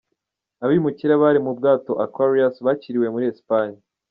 Abimukira bari mu bwato Aquarius bakiriwe muri Espagne.